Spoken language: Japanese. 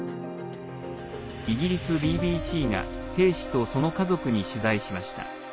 イギリスＢＢＣが兵士と、その家族に取材しました。